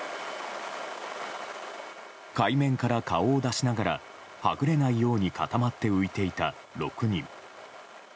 海面から顔を出しながらはぐれないように固まって浮いていた６人。